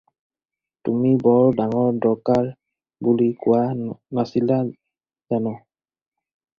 তুমি বৰ ডাঙৰ দৰকাৰ বুলি কোৱা নাছিলা জানো?